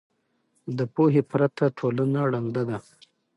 د پوهې پرته ټولنه ړنده ده.